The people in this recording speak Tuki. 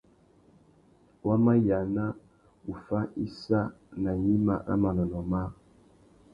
Wa mà yāna uffá issa nà gnima râ manônōh măh.